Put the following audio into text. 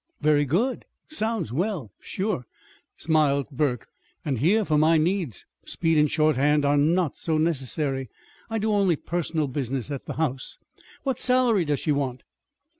"Very good! Sounds well, sure," smiled Burke. "And here, for my needs, speed and shorthand are not so necessary. I do only personal business at the house. What salary does she want?"